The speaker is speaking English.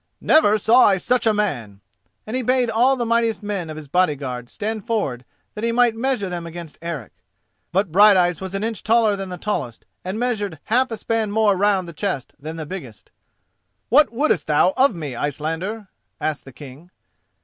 "Never saw I such a man;" and he bade all the mightiest men of his body guard stand forward that he might measure them against Eric. But Brighteyes was an inch taller than the tallest, and measured half a span more round the chest than the biggest. "What wouldest thou of me, Icelander?" asked the King.